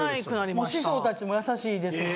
もう師匠たちも優しいですし。